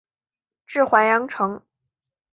治淮阳城。